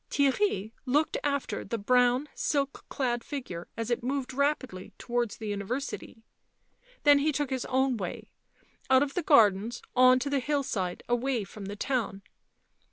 Theirry looked after the brown, silk clad figure, as it moved rapidly towards the university, then he took his own way, out of the gardens on to the hill side, away from the town.